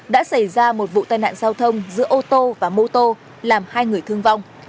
đã xảy ra một vụ tai nạn giao thông giữa ô tô và mô tô làm hai người thương vong